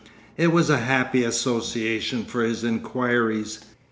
It was a happy association for his inquiries.